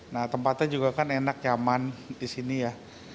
nah tempatnya juga kan enak nyaman di sini ya